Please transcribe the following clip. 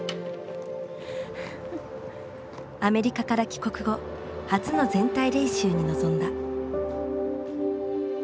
アメリカから帰国後初の全体練習に臨んだ。